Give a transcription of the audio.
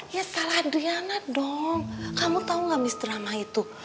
ya salah adriana dong kamu tau gak miss drama itu